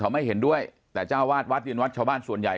เขาไม่เห็นด้วยแต่เจ้าวาดวัดยืนวัดชาวบ้านส่วนใหญ่